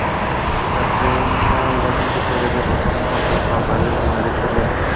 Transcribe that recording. The Royal Nevada was originally proposed by Frank Fishman as the Sunrise Hotel.